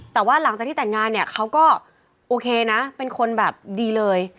แต่ว่าหลังจากที่แต่งงานเนี่ยเขาก็โอเคนะเป็นคนแบบดีเลย